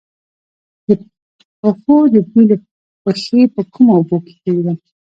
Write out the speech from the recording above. د پښو د بوی لپاره پښې په کومو اوبو کې کیږدم؟